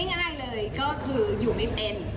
ง่ายเลยก็คืออยู่ไม่เป็น